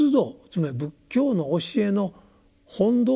つまり仏教の教えの本道